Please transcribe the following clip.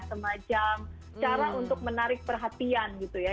semacam cara untuk menarik perhatian gitu ya